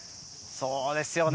そうですよね。